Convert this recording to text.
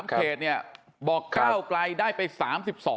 ๓๓เคสเนี่ยบอกเก้ากลายได้ไป๓๒เคส